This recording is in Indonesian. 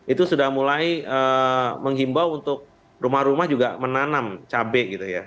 itu sudah mulai menghimbau untuk rumah rumah juga menanam cabai gitu ya